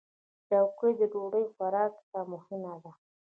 چوکۍ د ډوډۍ خوراک ته مهمه ده.